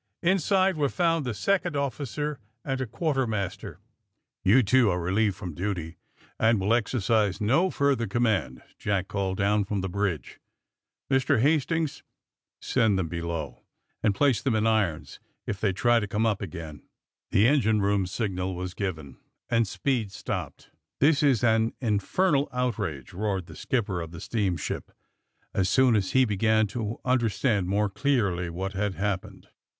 Inside were found the second officer and a quartermaster. '^You two are relieved from duty, and will exercise no further command," Jack called down from the bridge. Mr. Hastings, send AND THE SMUGGLEES 213 them below, and place them in irons if they try to come up again." The engine room signal was given, and speed stopped. * '^This is an infernal outrage !'' roared the skipper of the steamship as soon as he began to understand more clearly what had happened.